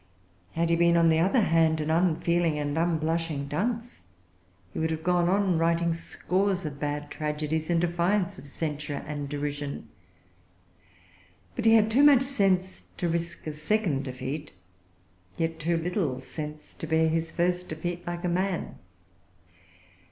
Had he been, on the other hand, an unfeeling and unblushing dunce, he would have gone on writing scores of bad tragedies in defiance of censure and derision. But he had too much sense to risk[Pg 345] a second defeat, yet too little sense to bear his first defeat like a man.